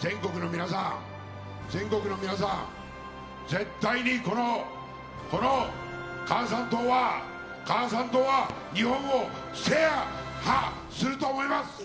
全国の皆さん、全国の皆さん絶対に、この母さん党は母さん党は日本を制覇すると思います。